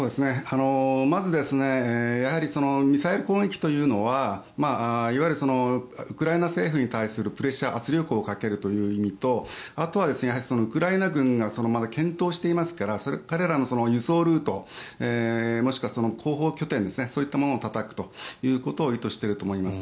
まず、やはりミサイル攻撃というのはいわゆるウクライナ政府に対するプレッシャー、圧力をかけるという意味とあとはウクライナ軍がまだ健闘していますから彼らの輸送ルートもしくは後方拠点そういったものをたたくということを意図していると思います。